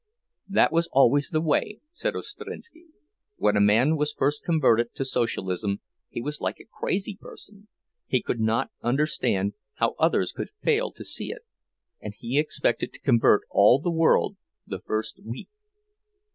That was always the way, said Ostrinski; when a man was first converted to Socialism he was like a crazy person—he could not understand how others could fail to see it, and he expected to convert all the world the first week.